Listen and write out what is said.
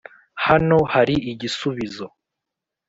hano hari igisubizo